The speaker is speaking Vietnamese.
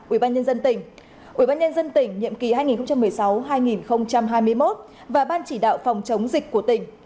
ubnd tỉnh ubnd tỉnh nhiệm kỳ hai nghìn một mươi sáu hai nghìn hai mươi một và ban chỉ đạo phòng chống dịch của tỉnh